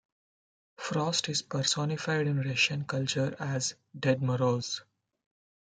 Frost is personified in Russian culture as Ded Moroz.